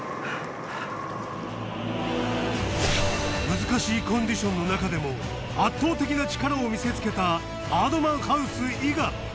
難しいコンディションの中でも圧倒的な力を見せつけたＢＩＲＤＭＡＮＨＯＵＳＥ伊賀